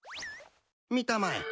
見たまえ。